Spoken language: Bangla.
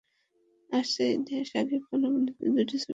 আসছে ঈদে শাকিব খান অভিনীত দুটি ছবি মুক্তি পাওয়ার কথা রয়েছে।